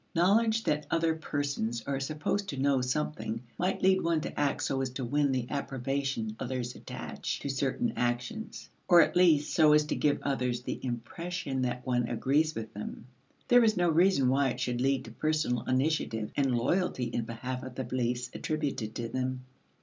Knowledge that other persons are supposed to know something might lead one to act so as to win the approbation others attach to certain actions, or at least so as to give others the impression that one agrees with them; there is no reason why it should lead to personal initiative and loyalty in behalf of the beliefs attributed to them.